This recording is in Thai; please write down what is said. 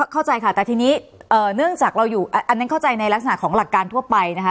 เข้าใจค่ะแต่ทีนี้เนื่องจากเราอยู่อันนั้นเข้าใจในลักษณะของหลักการทั่วไปนะคะ